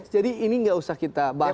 ini nggak usah kita bahas